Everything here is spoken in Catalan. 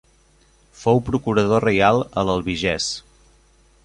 Fou procurador reial a l'Albigès.